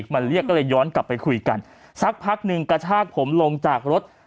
มาเรียกก็เลยย้อนกลับไปคุยกันสักพักหนึ่งกระชากผมลงจากรถ